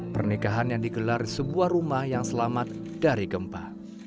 pernikahan yang digelar di sebuah rumah yang selamat dari gempa